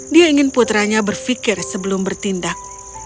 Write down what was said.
dia ingin putranya berpikir sebelum bertindak